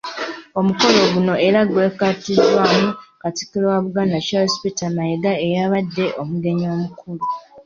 Omukolo guno era gwetabiddwamu Katikkiro wa Buganda Charles Peter Mayiga eyabadde omugenyi omukulu.